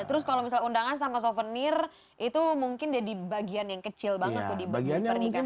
terus kalau misalnya undangan sama souvenir itu mungkin jadi bagian yang kecil banget tuh di bagian pernikahan